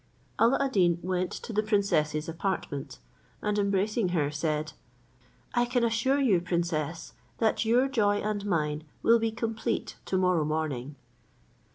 Alla ad Deen went to the princess's apartment, and embracing her, said, "I can assure you, princess, that your joy and mine will be complete tomorrow morning."